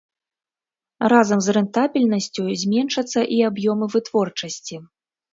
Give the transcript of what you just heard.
Разам з рэнтабельнасцю зменшацца і аб'ёмы вытворчасці.